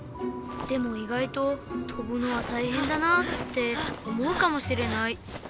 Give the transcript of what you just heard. でもいがいととぶのはたいへんだなって思うかもしれない。